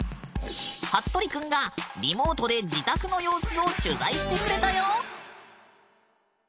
ハットリくんがリモートで自宅の様子を取材してくれたよ。